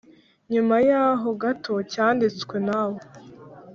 Nyuma y aho gato cyanditswe nawe